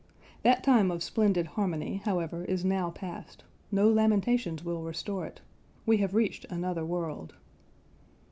That time of splendid harmony, however, is now past; no lamentations will restore it. We have reached another world.